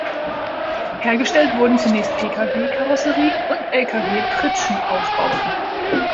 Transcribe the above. Hergestellt wurden zunächst Pkw-Karosserien und Lkw-Pritschenaufbauten.